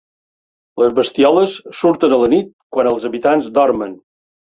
Les bestioles surten a la nit, quan els habitants dormen.